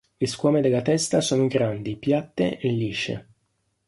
Le squame della testa sono grandi, piatte e lisce.